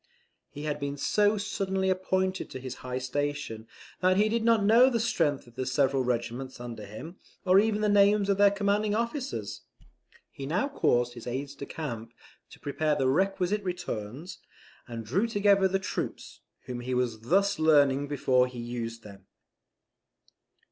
He had been so suddenly appointed to his high station, that he did not know the strength of the several regiments under him, or even the names of their commanding officers. He now caused his aides de camp to prepare the requisite returns, and drew together the troops, whom he was thus learning before he used them.